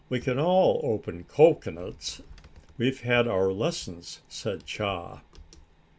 (Page 25)] "We can all open cocoanuts! We've had our lessons," said Chaa.